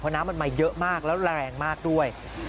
น้ำมันมาเยอะมากแล้วแรงมากด้วย